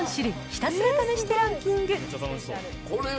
ひたすら試してランキング。